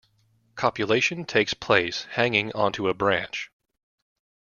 Copulation takes place hanging onto a branch.